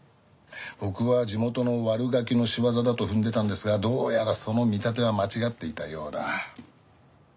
僕は地元の悪ガキの仕業だと踏んでたんですがどうやらその見立ては間違っていたようだ。